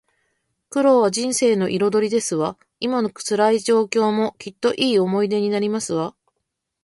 苦労は人生の彩りですわ。今の辛い状況も、きっといい思い出になりますわ